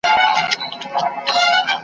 پر ملخ یې سترګي نه سوای پټولای .